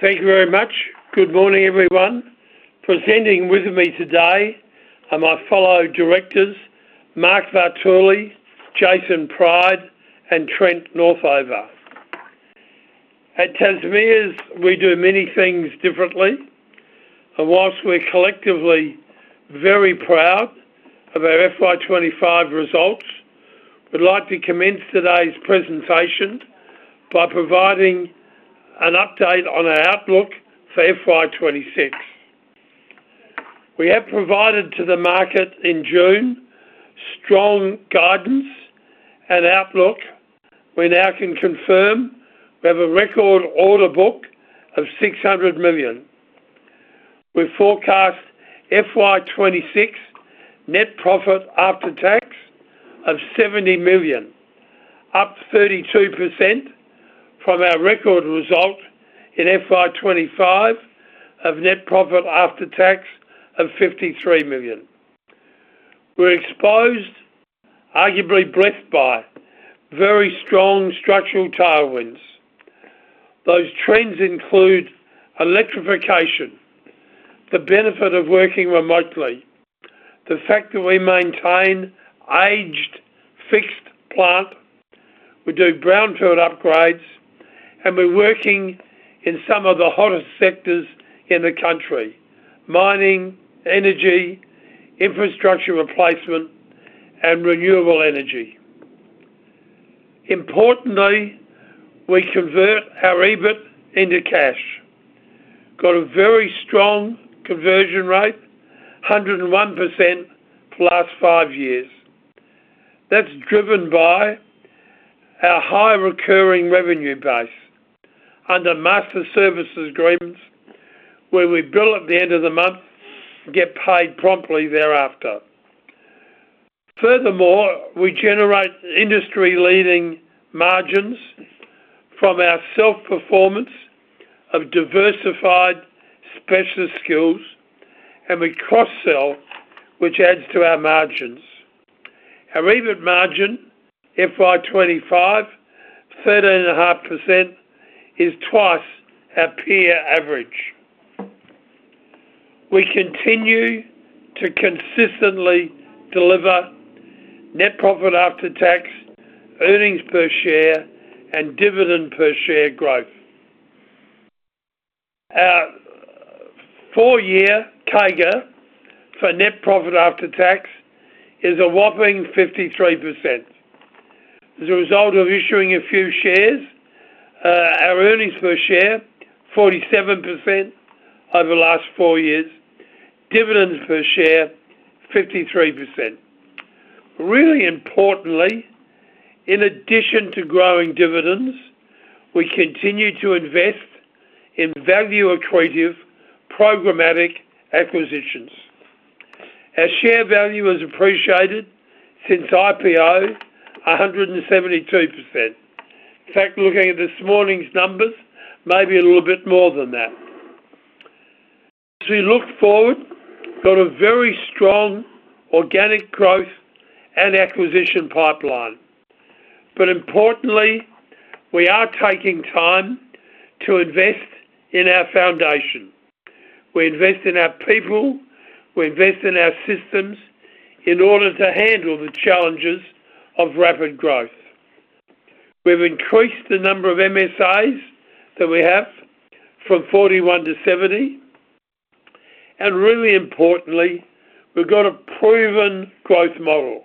Thank you very much. Good morning, everyone. Presenting with me today are my fellow directors, Mark Vartuli, Jason Pryde, and Trent Northover. At Tasmea, we do many things differently. Whilst we're collectively very proud of our FY 2025 results, we'd like to commence today's presentation by providing an update on our outlook for FY 2026. We have provided to the market in June strong guidance and outlook. We now can confirm we have a record order book of $600 million. We forecast FY 2026 net profit after tax of $70 million, up 32% from our record result in FY 2025 of net profit after tax of $53 million. We're exposed, arguably, to very strong structural tailwinds. Those trends include electrification, the benefit of working remotely, the fact that we maintain aged fixed plant. We do brownfield upgrades, and we're working in some of the hottest sectors in the country: mining, energy, infrastructure replacement, and renewable energy. Importantly, we convert our EBIT into cash. We've got a very strong conversion rate, 101% for the last five years. That's driven by our high recurring revenue base under master services agreements, where we bill at the end of the month and get paid promptly thereafter. Furthermore, we generate industry-leading margins from our self-performance of diversified specialist skills, and we cross-sell, which adds to our margins. Our EBIT margin FY 2025 is 13.5%, which is twice our peer average. We continue to consistently deliver net profit after tax, earnings per share, and dividend per share growth. Our four-year CAGR for net profit after tax is a whopping 53%. As a result of issuing a few shares, our earnings per share are up 47% over the last four years, dividends per share are up 53%. Really importantly, in addition to growing dividends, we continue to invest in value accretive programmatic acquisitions. Our share value has appreciated since IPO 172%. In fact, looking at this morning's numbers, maybe a little bit more than that. As we look forward, we've got a very strong organic growth and acquisition pipeline. Importantly, we are taking time to invest in our foundation. We invest in our people. We invest in our systems in order to handle the challenges of rapid growth. We've increased the number of MSAs that we have from 41 to 70. Really importantly, we've got a proven growth model.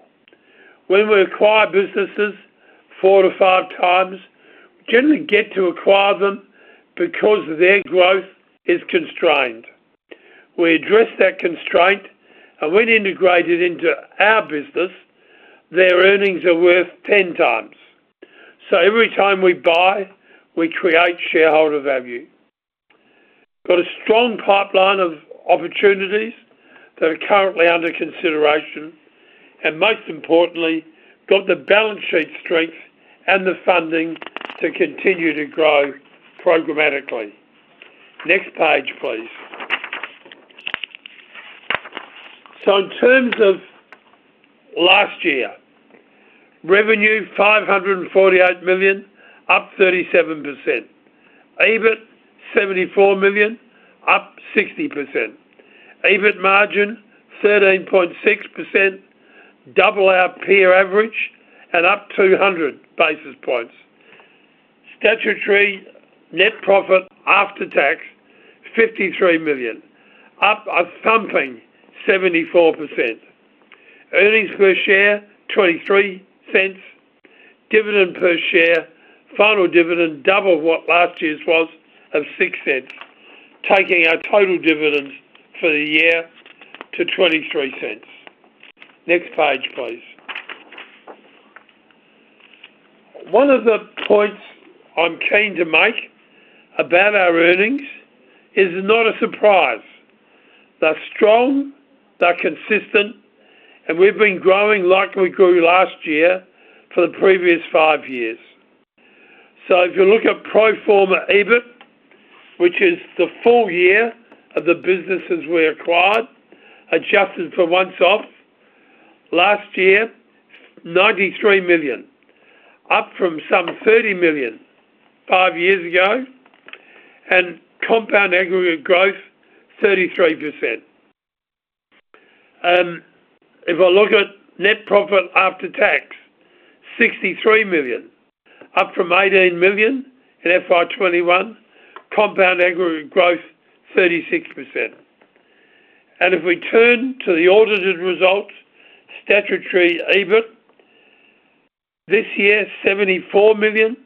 When we acquire businesses 4x-5x, we generally get to acquire them because their growth is constrained. We address that constraint, and when integrated into our business, their earnings are worth 10x. Every time we buy, we create shareholder value. We've got a strong pipeline of opportunities that are currently under consideration, and most importantly, we've got the balance sheet strength and the funding to continue to grow programmatically. Next page, please. In terms of last year, revenue $548 million, up 37%. EBIT $74 million, up 60%. EBIT margin 13.6%, double our peer average and up 200 basis points. Statutory net profit after tax $53 million, up a thumping 74%. Earnings per share $0.23, dividend per share, final dividend double what last year's was of $0.06, taking our total dividends for the year to $0.23. Next page, please. One of the points I'm keen to make about our earnings is not a surprise. They're strong, they're consistent, and we've been growing like we grew last year for the previous five years. If you look at pro forma EBIT, which is the full year of the businesses we acquired, adjusted for months off, last year it's $93 million, up from some $30 million five years ago, and compound aggregate growth 33%. If I look at net profit after tax, $63 million, up from $18 million in FY 2021, compound aggregate growth 36%. If we turn to the audited results, statutory EBIT this year $74 million,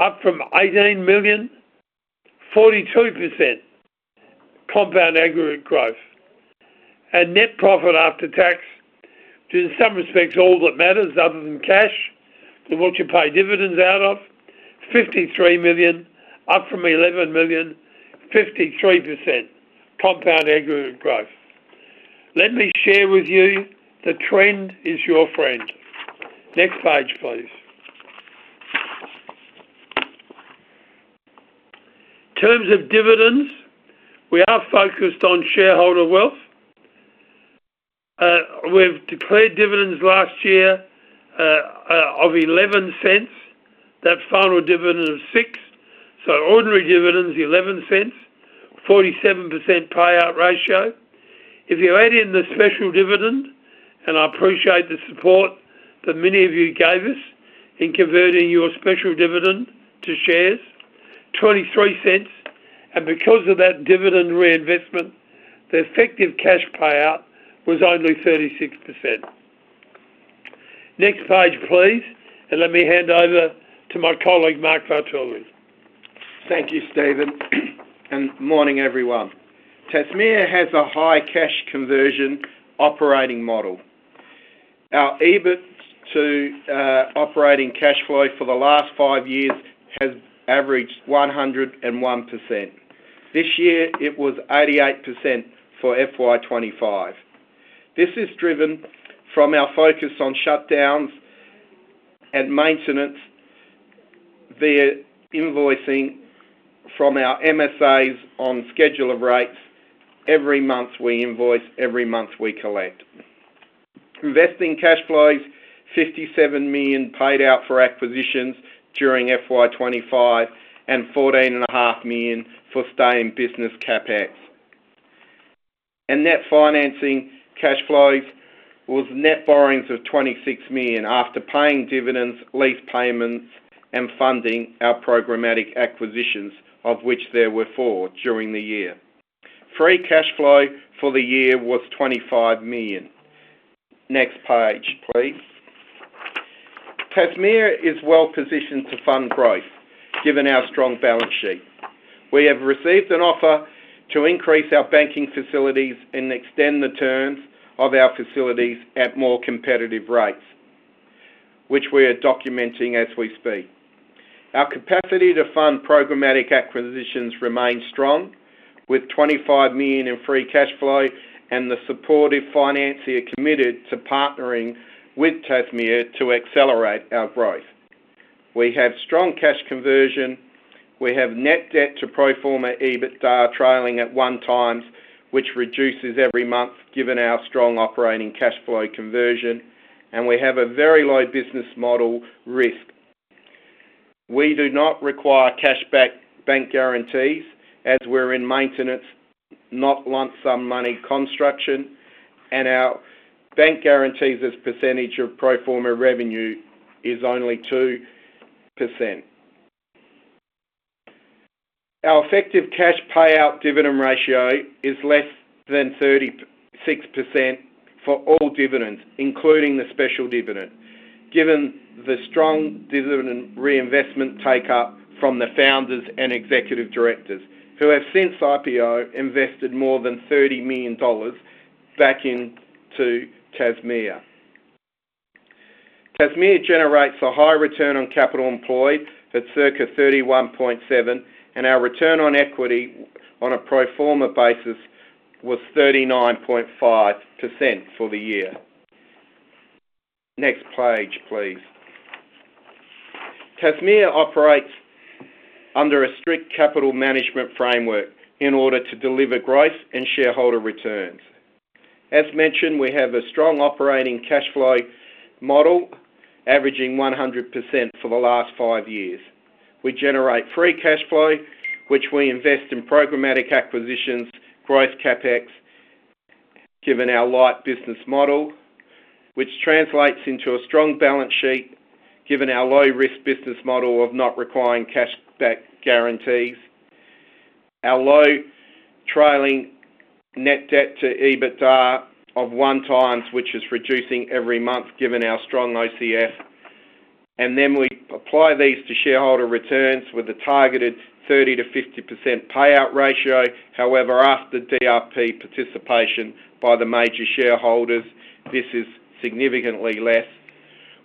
up from $18 million, 42% compound aggregate growth. Net profit after tax, which in some respects all that matters other than cash and what you pay dividends out of, $53 million, up from $11 million, 53% compound aggregate growth. Let me share with you the trend is your friend. Next page, please. In terms of dividends, we are focused on shareholder wealth. We've declared dividends last year of $0.11, that final dividend of $0.06. Ordinary dividends $0.11, 47% payout ratio. If you add in the special dividend, and I appreciate the support that many of you gave us in converting your special dividend to shares, $0.23. Because of that dividend reinvestment, the effective cash payout was only 36%. Next page, please, and let me hand over to my colleague, Mark Vartuli. Thank you, Stephen, and morning, everyone. Tasmea has a high cash conversion operating model. Our EBIT to operating cash flow for the last five years has averaged 101%. This year, it was 88% for FY 2025. This is driven from our focus on shutdowns and maintenance via invoicing from our master services agreements on scheduler rates. Every month we invoice, every month we collect. Investing cash flows, $57 million paid out for acquisitions during FY 2025 and $14.5 million for staying business CapEx. Net financing cash flows was net borrowings of $26 million after paying dividends, lease payments, and funding our programmatic acquisitions, of which there were four during the year. Free cash flow for the year was $25 million. Next page, please. Tasmea is well positioned to fund growth, given our strong balance sheet. We have received an offer to increase our banking facilities and extend the terms of our facilities at more competitive rates, which we are documenting as we speak. Our capacity to fund programmatic acquisitions remains strong, with $25 million in free cash flow and the supportive financier committed to partnering with Tasmea to accelerate our growth. We have strong cash conversion. We have net debt to pro forma EBITDA trailing at 1x, which reduces every month given our strong operating cash flow conversion. We have a very low business model risk. We do not require cashback bank guarantees as we're in maintenance, not lump sum money construction, and our bank guarantees as percentage of pro forma revenue is only 2%. Our effective cash payout dividend ratio is less than 36% for all dividends, including the special dividend, given the strong dividend reinvestment takeup from the founders and executive directors, who have since IPO invested more than $30 million back into Tasmea. Tasmea generates a high return on capital employed at circa 31.7%. Our return on equity on a pro forma basis was 39.5% for the year. Next page, please. Tasmea operates under a strict capital management framework in order to deliver growth and shareholder returns. As mentioned, we have a strong operating cash flow model, averaging 100% for the last five years. We generate free cash flow, which we invest in programmatic acquisitions, gross CapEx, given our light business model, which translates into a strong balance sheet, given our low-risk business model of not requiring cashback guarantees. Our low trailing net debt to EBITDA of 1x, which is reducing every month given our strong OCF. We apply these to shareholder returns with a targeted 30%-50% payout ratio. However, after DRP participation by the major shareholders, this is significantly less,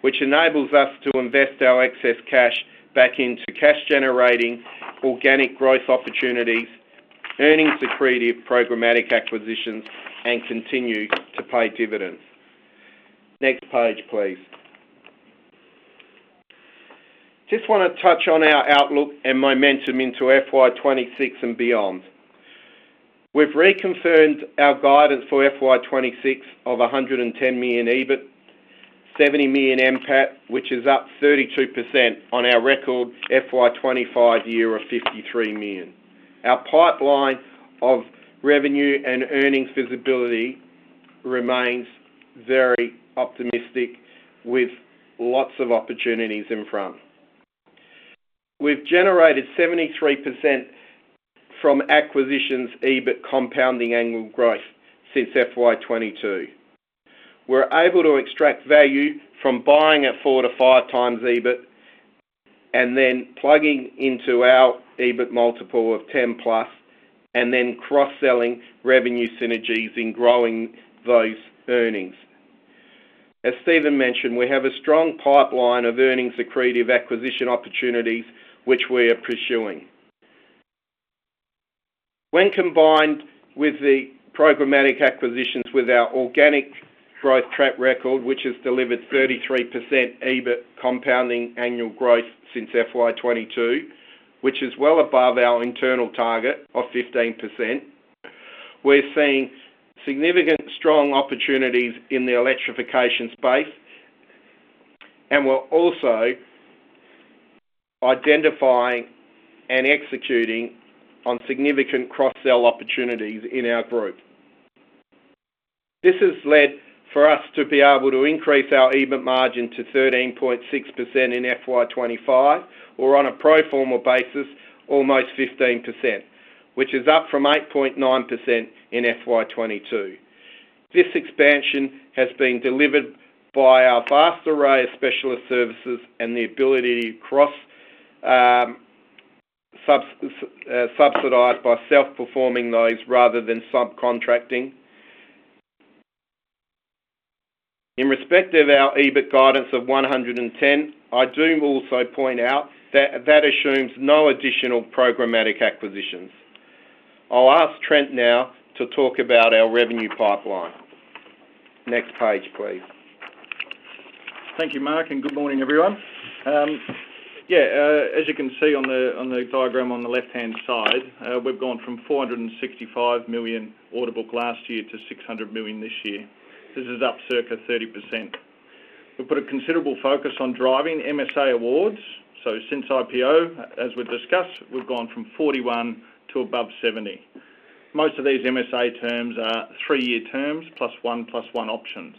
which enables us to invest our excess cash back into cash-generating organic growth opportunities, earnings accretive programmatic acquisitions, and continue to pay dividends. Next page, please. Just want to touch on our outlook and momentum into FY 2026 and beyond. We've reconfirmed our guidance for FY 2026 of $110 million EBIT, $70 million MPAT, which is up 32% on our record FY 2025 year of $53 million. Our pipeline of revenue and earnings visibility remains very optimistic with lots of opportunities in front. We've generated 73% from acquisitions EBIT compounding annual growth since FY 2022. We're able to extract value from buying at 4x-5x EBIT and then plugging into our EBIT multiple of 10+, and then cross-selling revenue synergies in growing those earnings. As Stephen mentioned, we have a strong pipeline of earnings accretive acquisition opportunities, which we are pursuing. When combined with the programmatic acquisitions with our organic growth track record, which has delivered 33% EBIT compounding annual growth since FY 2022, which is well above our internal target of 15%, we're seeing significant strong opportunities in the electrification space. We're also identifying and executing on significant cross-sell opportunities in our group. This has led for us to be able to increase our EBIT margin to 13.6% in FY 2025, or on a pro forma basis, almost 15%, which is up from 8.9% in FY 2022. This expansion has been delivered by our vast array of specialist services and the ability to cross-subsidize by self-performing those rather than subcontracting. In respect of our EBIT guidance of $110 million, I do also point out that that assumes no additional programmatic acquisitions. I'll ask Trent now to talk about our revenue pipeline. Next page, please. Thank you, Mark, and good morning, everyone. As you can see on the diagram on the left-hand side, we've gone from $465 million order book last year to $600 million this year. This is up circa 30%. We put a considerable focus on driving MSA awards. Since IPO, as we've discussed, we've gone from 41 to above 70. Most of these MSA terms are three-year terms plus one plus one options.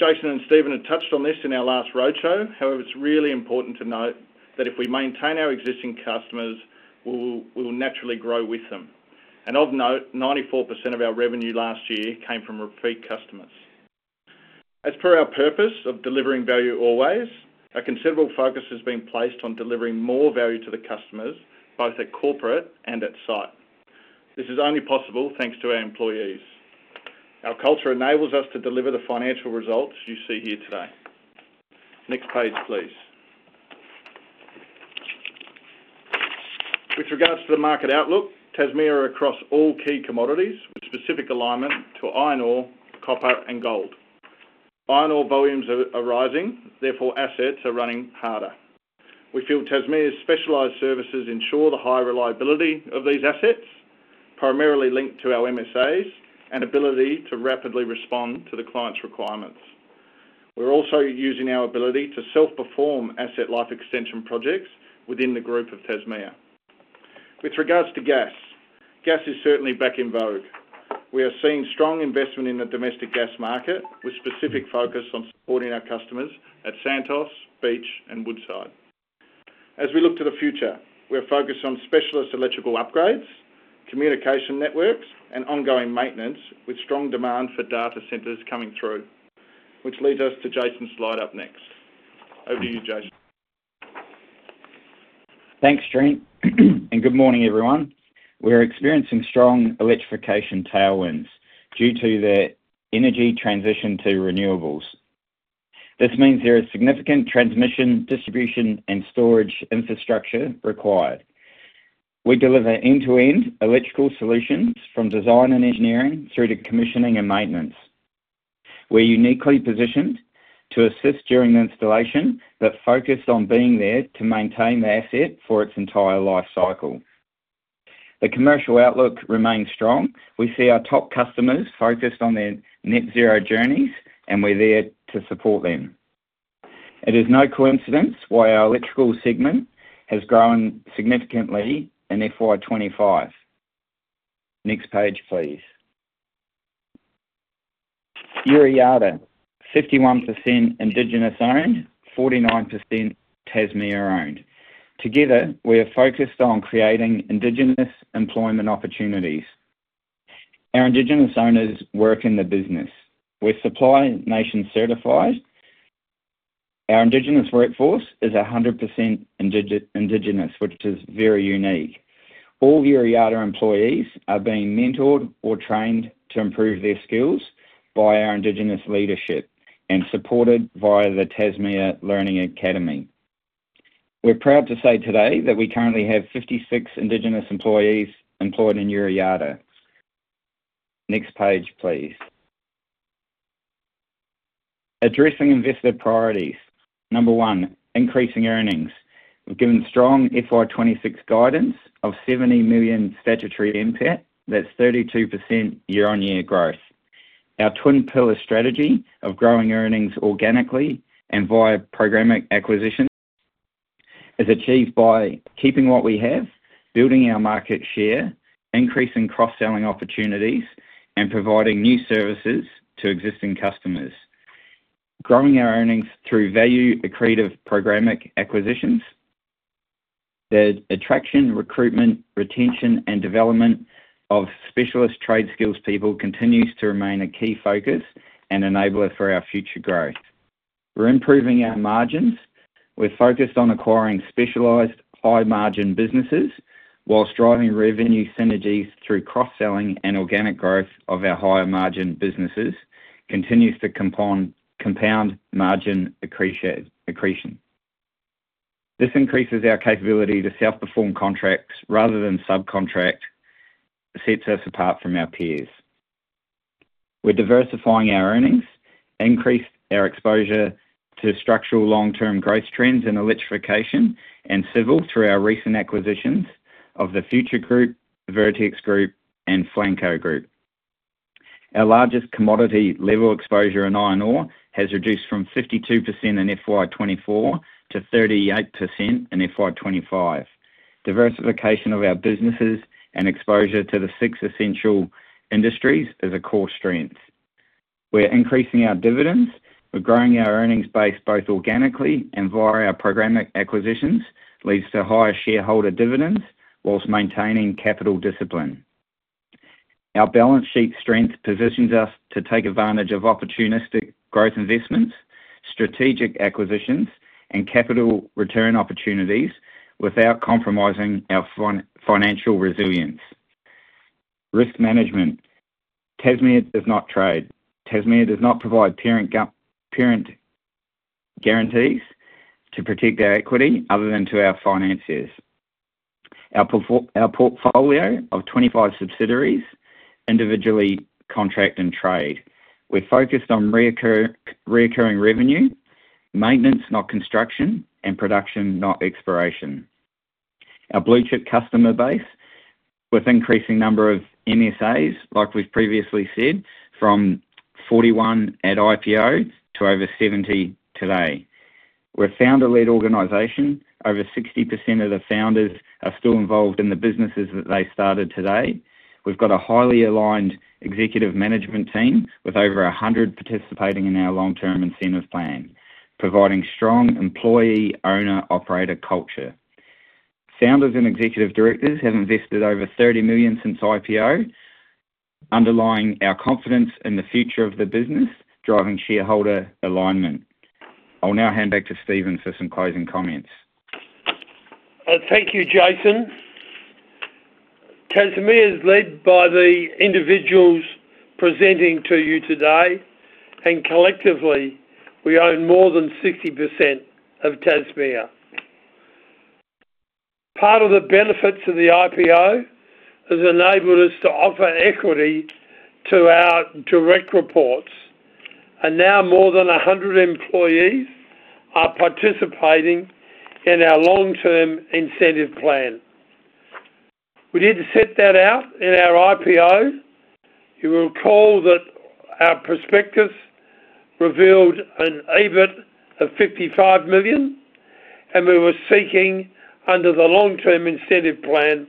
Jason and Stephen have touched on this in our last roadshow. However, it's really important to note that if we maintain our existing customers, we'll naturally grow with them. Of note, 94% of our revenue last year came from repeat customers. As per our purpose of delivering value always, a considerable focus has been placed on delivering more value to the customers, both at corporate and at site. This is only possible thanks to our employees. Our culture enables us to deliver the financial results you see here today. Next page, please. With regards to the market outlook, Tasmea are across all key commodities with specific alignment to iron ore, copper, and gold. Iron ore volumes are rising, therefore assets are running harder. We feel Tasmea Limited's specialized services ensure the high reliability of these assets, primarily linked to our MSA and ability to rapidly respond to the client's requirements. We're also using our ability to self-perform asset life extension projects within the group of Tasmea. With regards to gas, gas is certainly back in vogue. We are seeing strong investment in the domestic gas market with specific focus on supporting our customers at Santos, Beach, and Woodside. As we look to the future, we're focused on specialist electrical upgrades, communication networks, and ongoing maintenance with strong demand for data centers coming through, which leads us to Jason's slide up next. Over to you, Jason. Thanks, Trent, and good morning, everyone. We're experiencing strong electrification tailwinds due to the energy transition to renewables. This means there is significant transmission, distribution, and storage infrastructure required. We deliver end-to-end electrical solutions from design and engineering through to commissioning and maintenance. We're uniquely positioned to assist during the installation, but focused on being there to maintain the asset for its entire life cycle. The commercial outlook remains strong. We see our top customers focused on their net zero journeys, and we're there to support them. It is no coincidence why our electrical segment has grown significantly in FY 2025. Next page, please. Yura Yarta, 51% Indigenous owned, 49% Tasmea owned. Together, we are focused on creating Indigenous employment opportunities. Our Indigenous owners work in the business. We're Supply Nation certified. Our Indigenous workforce is 100% Indigenous, which is very unique. All Yura Yarta employees are being mentored or trained to improve their skills by our Indigenous leadership and supported via the Tasmea Learning Academy. We're proud to say today that we currently have 56 Indigenous employees employed in Yura Yarta. Next page, please. Addressing investor priorities. Number one, increasing earnings. We've given strong FY 2026 guidance of $70 million statutory MPAT that's 32% year-on-year growth. Our twin pillar strategy of growing earnings organically and via programmatic acquisition is achieved by keeping what we have, building our market share, increasing cross-selling opportunities, and providing new services to existing customers. Growing our earnings through value accretive programmatic acquisitions, the attraction, recruitment, retention, and development of specialist trade skills people continues to remain a key focus and enabler for our future growth. We're improving our margins. We're focused on acquiring specialized high-margin businesses whilst driving revenue synergies through cross-selling and organic growth of our higher margin businesses, continues to compound margin accretion. This increases our capability to self-perform contracts rather than subcontract, sets us apart from our peers. We're diversifying our earnings, increase our exposure to structural long-term growth trends in electrification and civil through our recent acquisitions of the Future Group, Vertex Group, and Flanco Group. Our largest commodity level exposure in iron ore has reduced from 52% in FY 2024 to 38% in FY 2025. Diversification of our businesses and exposure to the six essential industries is a core strength. We're increasing our dividends. We're growing our earnings base both organically and via our programmatic acquisitions, which leads to higher shareholder dividends whilst maintaining capital discipline. Our balance sheet strength positions us to take advantage of opportunistic growth investments, strategic acquisitions, and capital return opportunities without compromising our financial resilience. Risk management. Tasmea does not trade. Tasmea does not provide parent guarantees to protect our equity other than to our financiers. Our portfolio of 25 subsidiaries individually contract and trade. We're focused on recurring revenue, maintenance not construction, and production not exploration. Our blue chip customer base with an increasing number of master services agreements, like we've previously said, from 41 at IPO to over 70 today. We're a founder-led organization. Over 60% of the founders are still involved in the businesses that they started today. We've got a highly aligned executive management team with over 100 participating in our long-term incentive plan, providing strong employee-owner-operator culture. Founders and executive directors have invested over $30 million since IPO, underlying our confidence in the future of the business, driving shareholder alignment. I'll now hand back to Stephen for some closing comments. Thank you, Jason. Tasmea is led by the individuals presenting to you today, and collectively, we own more than 60% of Tasmea. Part of the benefits of the IPO has enabled us to offer equity to our direct reports, and now more than 100 employees are participating in our long-term incentive plan. We did set that out in our IPO. You will recall that our prospectus revealed an EBIT of $55 million, and we were seeking under the long-term incentive plan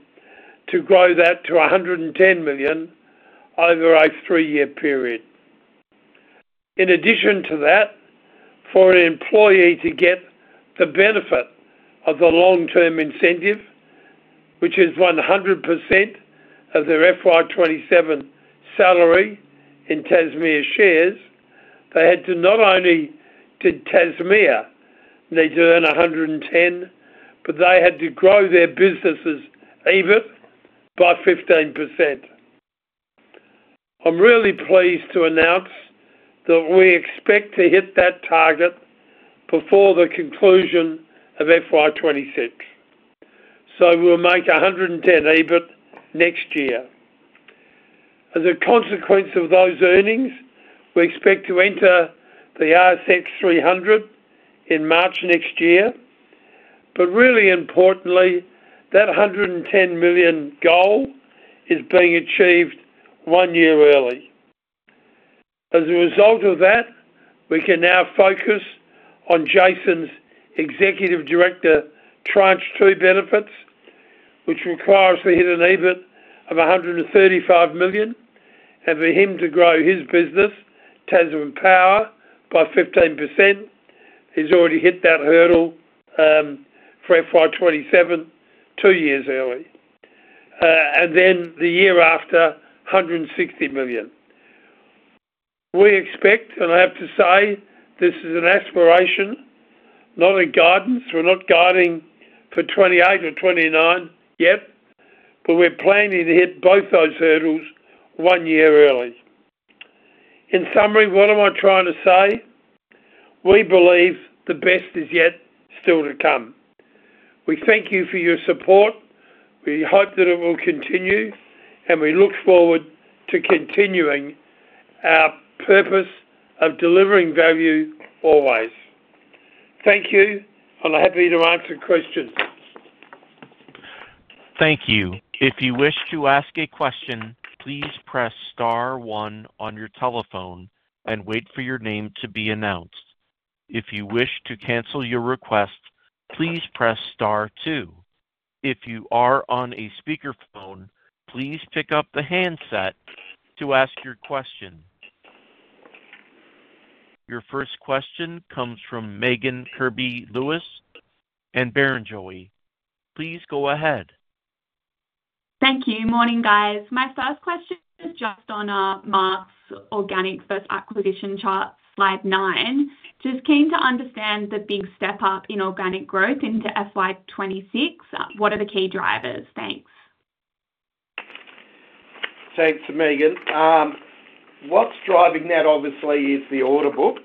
to grow that to $110 million over a three-year period. In addition to that, for an employee to get the benefit of the long-term incentive, which is 100% of their FY 2027 salary in Tasmea shares, they had to not only, did Tasmea need to earn $110 million, but they had to grow their business's EBIT by 15%. I'm really pleased to announce that we expect to hit that target before the conclusion of FY26. We'll make $110 million EBIT next year. As a consequence of those earnings, we expect to enter the ASX 300 in March next year. Really importantly, that $110 million goal is being achieved one year early. As a result of that, we can now focus on Jason's Executive Director tranche two benefits, which requires we hit an EBIT of $135 million. For him to grow his business, Tasman Power, by 15%, he's already hit that hurdle for FY 2027 two years early. The year after, $160 million. We expect, and I have to say, this is an aspiration, not a guidance. We're not guiding for 2028 or 2029 yet, but we're planning to hit both those hurdles one year early. In summary, what am I trying to say? We believe the best is yet still to come. We thank you for your support. We hope that it will continue, and we look forward to continuing our purpose of delivering value always. Thank you, and I'm happy to answer questions. Thank you. If you wish to ask a question, please press star one on your telephone and wait for your name to be announced. If you wish to cancel your request, please press star two. If you are on a speaker phone, please pick up the handset to ask your question. Your first question comes from Megan Kirby-Lewis and Barrenjoey. Please go ahead. Thank you. Morning, guys. My first question is just on Mark's organic first acquisition chart, slide nine. Just keen to understand the big step up in organic growth into FY 2026. What are the key drivers? Thanks. Thanks, Megan. What's driving that, obviously, is the order book,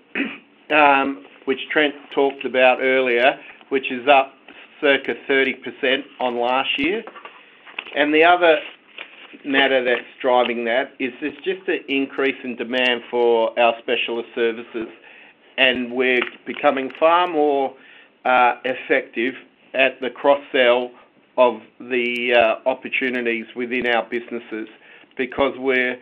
which Trent talked about earlier, which is up circa 30% on last year. The other matter that's driving that is there's just an increase in demand for our specialist services. We're becoming far more effective at the cross-sell of the opportunities within our businesses because we're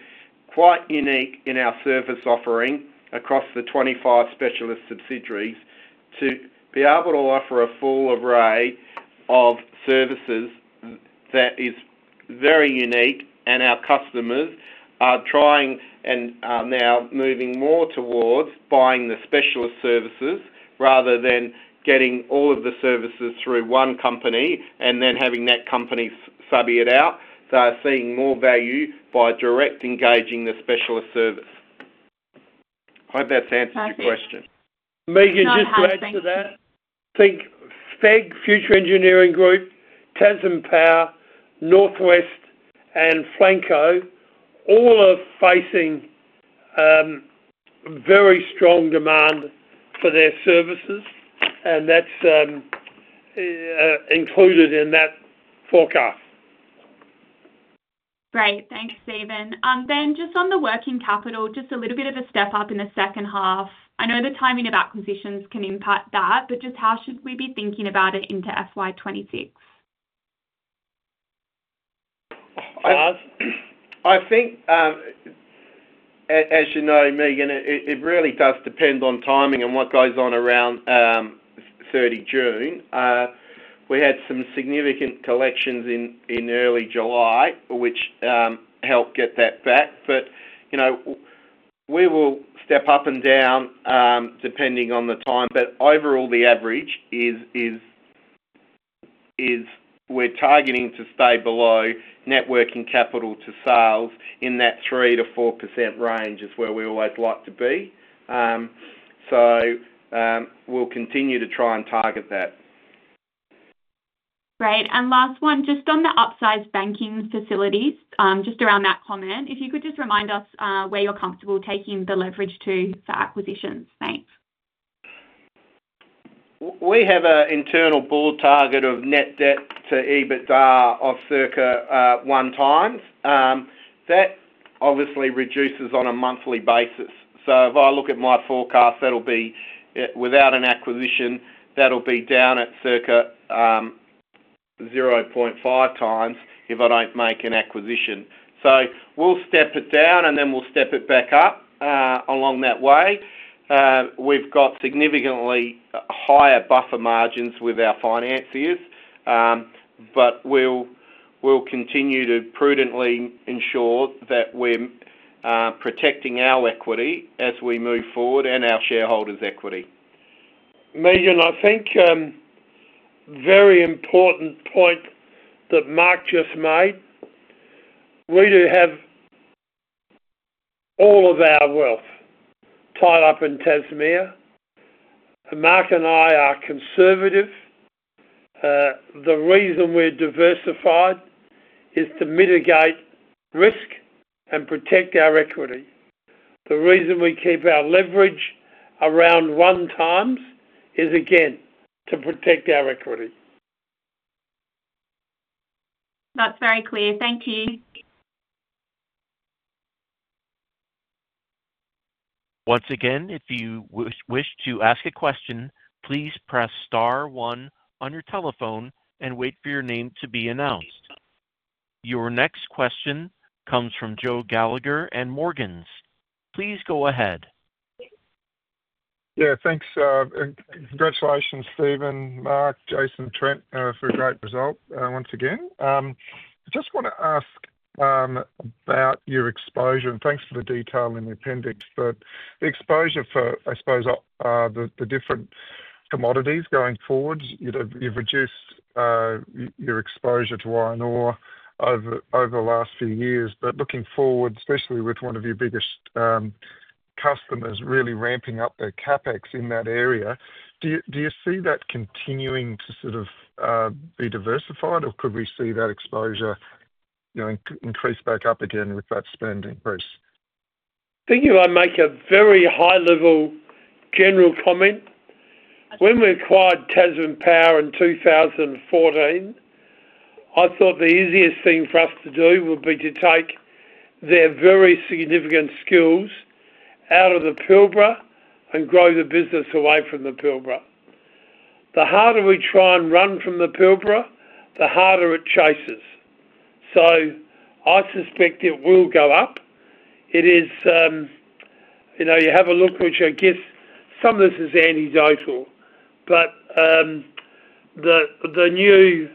quite unique in our service offering across the 25 specialist subsidiaries to be able to offer a full array of services that is very unique. Our customers are trying and are now moving more towards buying the specialist services rather than getting all of the services through one company and then having that company sub it out. They're seeing more value by direct engaging the specialist service. I hope that's answered your question. Megan, just to add to that, I think FEG, Future Engineering Group, Tasman Power, North West and Flanco all are facing very strong demand for their services, and that's included in that forecast. Great. Thanks, Stephen. Just on the working capital, just a little bit of a step up in the second half. I know the timing of acquisitions can impact that, but just how should we be thinking about it into FY 2026? I think, as you know, Megan, it really does depend on timing and what goes on around June 30. We had some significant collections in early July, which helped get that back. You know we will step up and down depending on the time. Overall, the average is we're targeting to stay below net working capital to sales in that 3%-4% range, which is where we always like to be. We'll continue to try and target that. Great. Last one, just on the upsized banking facilities, just around that comment, if you could just remind us where you're comfortable taking the leverage to for acquisitions. Thanks. We have an internal ball target of net debt to EBITDA of circa 1x. That obviously reduces on a monthly basis. If I look at my forecast, that'll be without an acquisition, that'll be down at circa 0.5x if I don't make an acquisition. We'll step it down and then we'll step it back up along that way. We've got significantly higher buffer margins with our financiers, but we'll continue to prudently ensure that we're protecting our equity as we move forward and our shareholders' equity. Megan, I think a very important point that Mark just made. We do have all of our wealth tied up in Tasmea. Mark and I are conservative. The reason we're diversified is to mitigate risk and protect our equity. The reason we keep our leverage around 1x is, again, to protect our equity. That's very clear. Thank you. Once again, if you wish to ask a question, please press star one on your telephone and wait for your name to be announced. Your next question comes from Joe Gallagher at Morgans. Please go ahead. Yeah, thanks. Congratulations, Stephen, Mark, Jason, and Trent, for a great result once again. I just want to ask about your exposure, and thanks for the detail in the appendix, but the exposure for, I suppose, the different commodities going forward. You've reduced your exposure to iron ore over the last few years. Looking forward, especially with one of your biggest customers really ramping up their CapEx in that area, do you see that continuing to sort of be diversified, or could we see that exposure increase back up again with that spend increase? I think if I make a very high-level general comment, when we acquired Tasman Power in 2014, I thought the easiest thing for us to do would be to take their very significant skills out of the Pilbara and grow the business away from the Pilbara. The harder we try and run from the Pilbara, the harder it chases. I suspect it will go up. You have a look at, which I guess some of this is anecdotal, but the new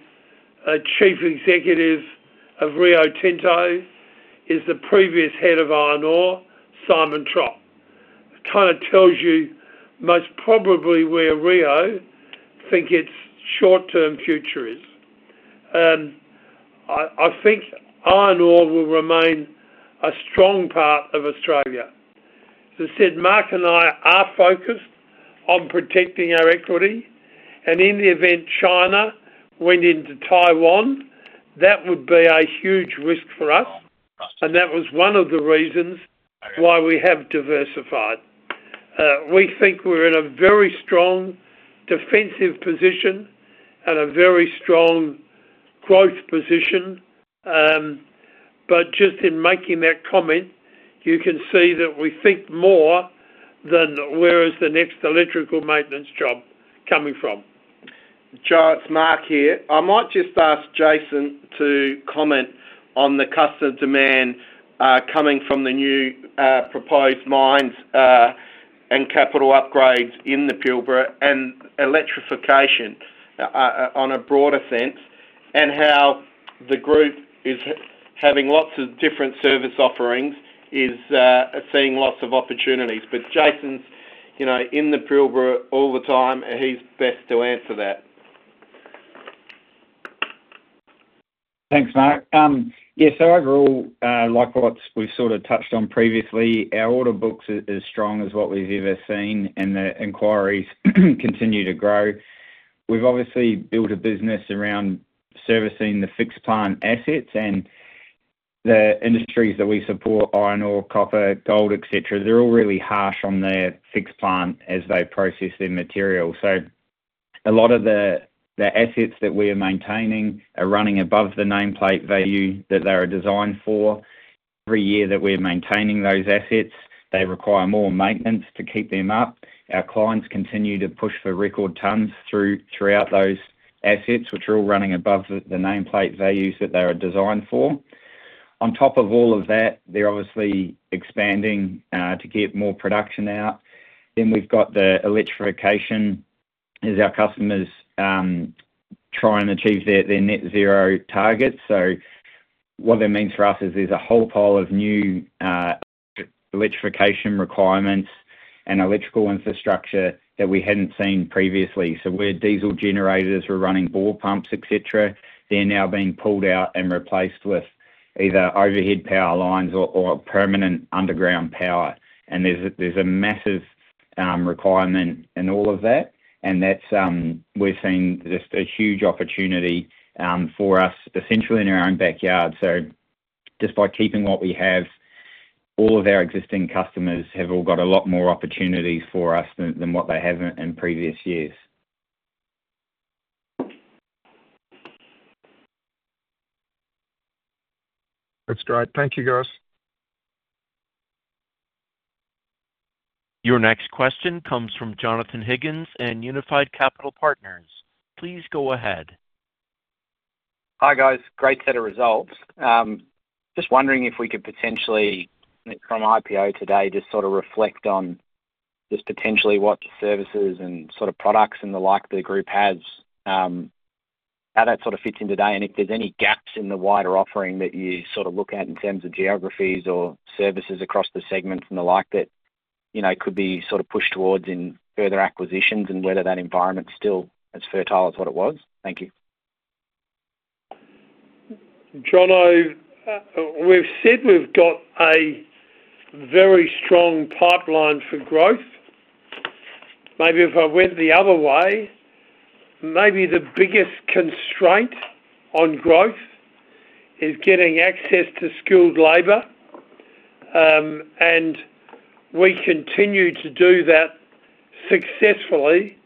chief executive of Rio Tinto is the previous head of iron ore, Simon Trott. It kind of tells you most probably where Rio think its short-term future is. I think iron ore will remain a strong part of Australia. As I said, Mark and I are focused on protecting our equity. In the event China went into Taiwan, that would be a huge risk for us. That was one of the reasons why we have diversified. We think we're in a very strong defensive position and a very strong growth position. Just in making that comment, you can see that we think more than where is the next electrical maintenance job coming from. Charts, Mark here. I might just ask Jason to comment on the customer demand coming from the new proposed mines and capital upgrades in the Pilbara and electrification in a broader sense, and how the group is having lots of different service offerings, seeing lots of opportunities. Jason's in the Pilbara all the time, he's best to answer that. Thanks, Mark. Yeah, so overall, like what we've sort of touched on previously, our order book is as strong as what we've ever seen, and the inquiries continue to grow. We've obviously built a business around servicing the fixed plant assets, and the industries that we support, iron ore, copper, gold, etc., they're all really harsh on their fixed plant as they process their material. A lot of the assets that we are maintaining are running above the nameplate value that they're designed for. Every year that we're maintaining those assets, they require more maintenance to keep them up. Our clients continue to push for record tons throughout those assets, which are all running above the nameplate values that they're designed for. On top of all of that, they're obviously expanding to get more production out. We've got the electrification as our customers try and achieve their net zero targets. What that means for us is there's a whole pile of new electrification requirements and electrical infrastructure that we hadn't seen previously. Where diesel generators were running bore pumps, etc., they're now being pulled out and replaced with either overhead power lines or permanent underground power. There's a massive requirement in all of that. We're seeing just a huge opportunity for us, essentially in our own backyard. Just by keeping what we have, all of our existing customers have all got a lot more opportunities for us than what they haven't in previous years. That's great. Thank you, guys. Your next question comes from Jonathan Higgins and Unified Capital Partners. Please go ahead. Hi guys, great set of results. Just wondering if we could potentially, from IPO to today, just sort of reflect on just potentially what services and sort of products and the like the group has, how that sort of fits in today, and if there's any gaps in the wider offering that you sort of look at in terms of geographies or services across the segments and the like that, you know, could be sort of pushed towards in further acquisitions and whether that environment's still as fertile as what it was. Thank you. Jon, we've said we've got a very strong pipeline for growth. Maybe if I went the other way, the biggest constraint on growth is getting access to skilled labor. We continue to do that successfully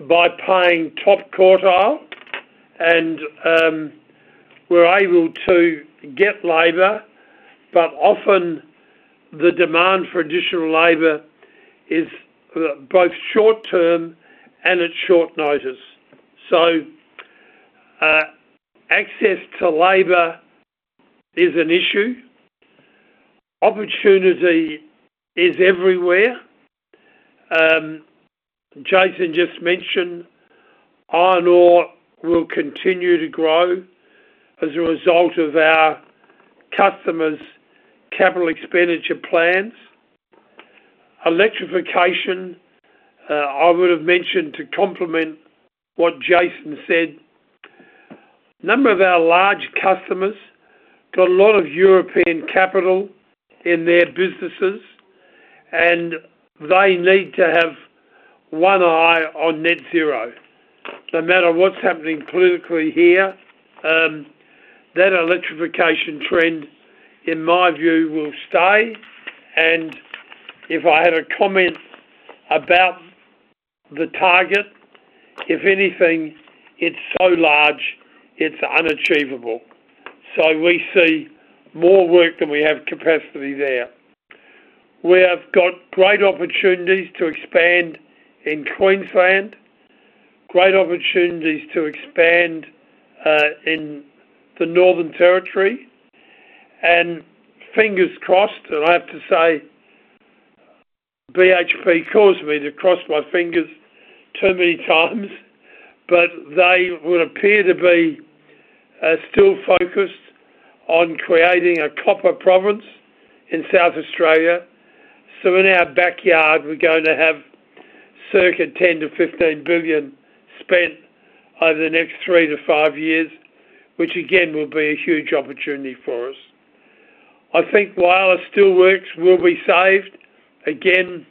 by paying top quartile, and we're able to get labor, but often the demand for additional labor is both short-term and at short notice. Access to labor is an issue. Opportunity is everywhere. Jason just mentioned that iron ore will continue to grow as a result of our customers' capital expenditure plans. Electrification, I would have mentioned to complement what Jason said, a number of our large customers got a lot of European capital in their businesses, and they need to have one eye on net zero. No matter what's happening politically here, that electrification trend, in my view, will stay. If I had a comment about the target, if anything, it's so large, it's unachievable. We see more work than we have capacity there. We have got great opportunities to expand in Queensland, great opportunities to expand in the Northern Territory. Fingers crossed, and I have to say BHP caused me to cross my fingers too many times, but they would appear to be still focused on creating a copper province in South Australia. In our backyard, we're going to have circa $10 billio- $15 billion spent over the next three to five years, which again will be a huge opportunity for us. I think while it still works, we'll be saved. Again,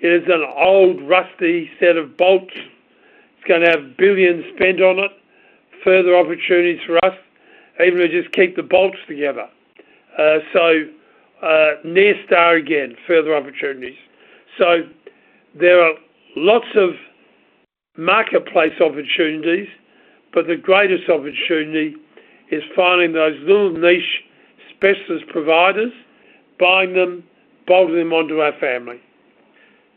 it is an old rusty set of bolts. It's going to have billions spent on it, further opportunities for us, even to just keep the bolts together. Near Star again, further opportunities. There are lots of marketplace opportunities, but the greatest opportunity is finding those little niche specialist providers, buying them, bolting them onto our family.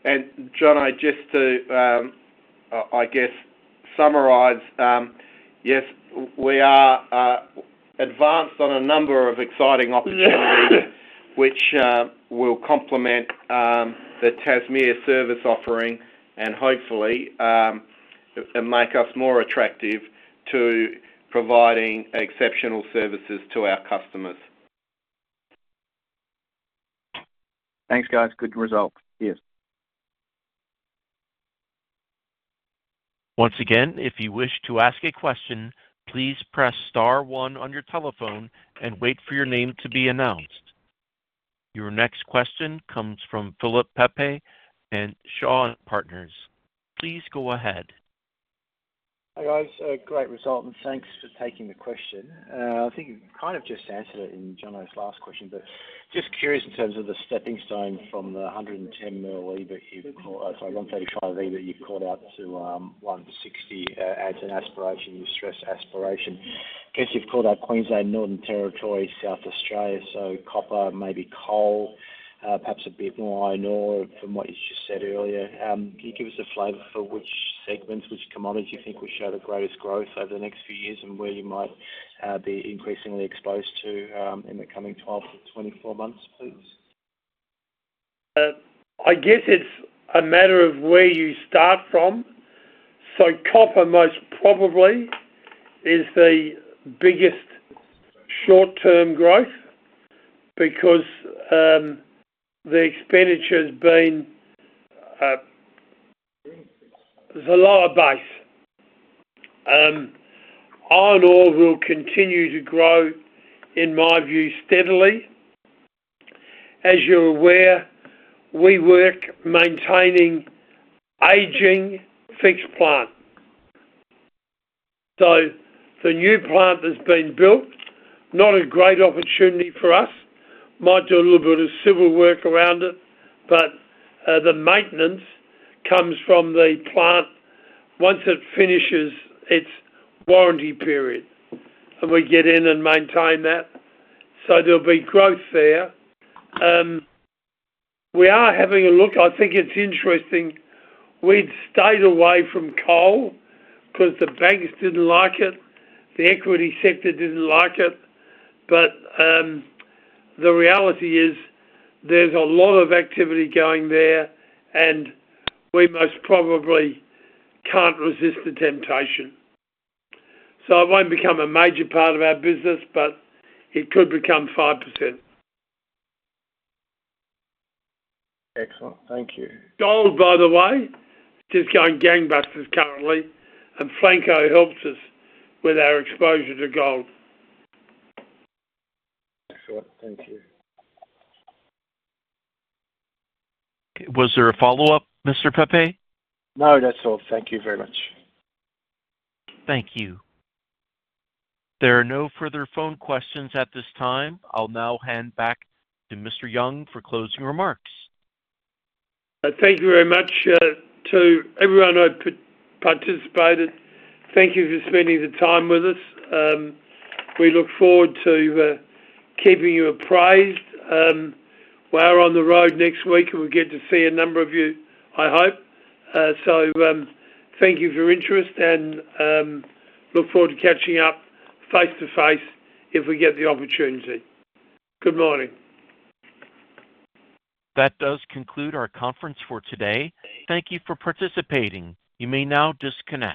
Jon, to summarize, yes, we are advanced on a number of exciting opportunities, which will complement the Tasmea service offering and hopefully make us more attractive to providing exceptional services to our customers. Thanks, guys. Good result. Once again, if you wish to ask a question, please press star one on your telephone and wait for your name to be announced. Your next question comes from Philip Pepe at Shaw and Partners. Please go ahead. Hi guys, great result and thanks for taking the question. I think you kind of just answered it in John's last question, but just curious in terms of the stepping stone from the $110 million EBIT you've called out, sorry, $135 million EBIT you've called out to $160 million as an aspiration. You stressed aspiration. I guess you've called out Queensland and Northern Territory, South Australia, so copper, maybe coal, perhaps a bit more iron ore from what you just said earlier. Can you give us a flavor for which segments, which commodities you think will show the greatest growth over the next few years and where you might be increasingly exposed to in the coming 12 months-24 months, please? I guess it's a matter of where you start from. Copper most probably is the biggest short-term growth because the expenditure has been there's a lower base. Iron ore will continue to grow, in my view, steadily. As you're aware, we work maintaining an aging fixed plant. The new plant that's been built, not a great opportunity for us. Might do a little bit of civil work around it, but the maintenance comes from the plant once it finishes its warranty period. We get in and maintain that. There'll be growth there. We are having a look. I think it's interesting. We'd stayed away from coal because the banks didn't like it. The equity sector didn't like it. The reality is there's a lot of activity going there, and we most probably can't resist the temptation. It won't become a major part of our business, but it could become 5%. Excellent. Thank you. Gold, by the way, is just going gangbusters currently, and Flanco helps us with our exposure to gold. Excellent. Thank you. Was there a follow-up, Mr. Pepe? No, that's all. Thank you very much. Thank you. There are no further phone questions at this time. I'll now hand back to Mr. Young for closing remarks. Thank you very much to everyone who participated. Thank you for spending the time with us. We look forward to keeping you appraised. We are on the road next week, and we'll get to see a number of you, I hope. Thank you for your interest, and look forward to catching up face to face if we get the opportunity. Good morning. That does conclude our conference for today. Thank you for participating. You may now disconnect.